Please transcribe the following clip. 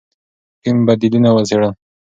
ټیم بدیلونه وڅېړل.